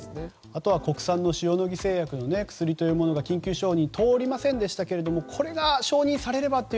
あとは国産の塩野義製薬の薬が緊急承認が通りませんでしたがこれが承認されればと。